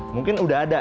mungkin udah ada